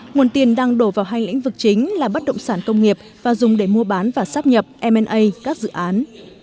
nguồn tiền đang đổ vào hai lĩnh vực chính là bất động sản công nghiệp và dùng để mua bán và sáp nhập m a các dự án